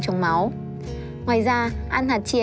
trong máu ngoài ra ăn hạt chia